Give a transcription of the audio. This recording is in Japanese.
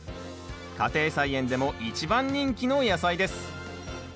家庭菜園でも一番人気の野菜です。